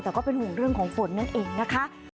แต่ก็เป็นห่วงเรื่องของฝนนั่นเองนะคะ